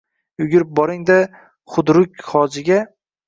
Yugurib boring-da xudruk Hojiga